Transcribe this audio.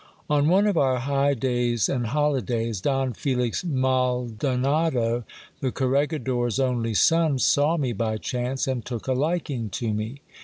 On one of our high days and holidays, Don Felix Moldonado, the corregi dor's only son, saw me by chance, and took a liking to me.